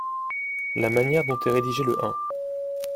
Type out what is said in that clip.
La manière dont est rédigé le un.